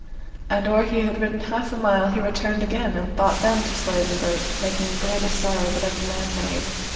And or he had ridden half a mile he returned again, and thought then to slay them both, making the greatest sorrow that ever man made.